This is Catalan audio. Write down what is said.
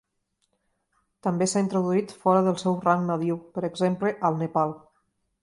També s'ha introduït fora del seu rang nadiu, per exemple al Nepal.